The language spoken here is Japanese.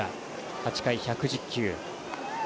８回、１１０球。